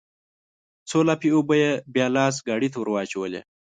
څو لپې اوبه يې بيا لاس ګاډي ته ورواچولې.